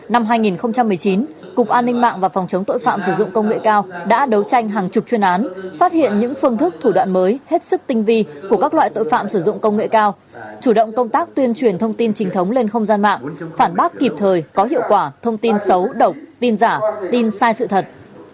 năm hai nghìn một mươi chín cục an ninh mạng và phòng chống tội phạm sử dụng công nghệ cao đã đấu tranh hàng chục chuyên án phát hiện những phương thức thủ đoạn mới hết sức tinh vi của các loại tội phạm sử dụng công nghệ cao chủ động công tác tuyên truyền thông tin trình thống lên không gian mạng phản bác kịp thời có hiệu quả thông tin xấu độc tin giả tin sai sự thật